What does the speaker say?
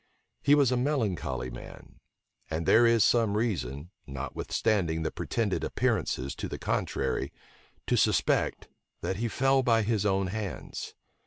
He was a melancholy man; and there is some reason, notwithstanding the pretended appearances to the contrary, to suspect that he fell by his own hands.